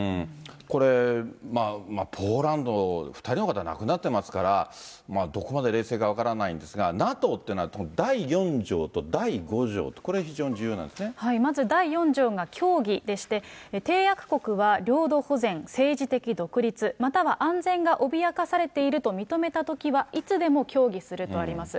これ、ポーランド、２人の方が亡くなってますから、どこまで冷静か分からないんですが、ＮＡＴＯっていうのは、第４条と第５条と、まず第４条が協議でして、締約国は領土保全、政治的独立、または安全が脅かされていると認めたときは、いつでも協議するとあります。